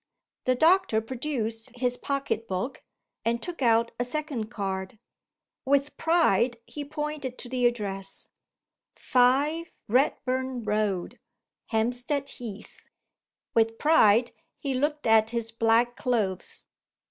The doctor produced his pocket book, and took out a second card. With pride he pointed to the address: "5 Redburn Road, Hampstead Heath." With pride he looked at his black clothes.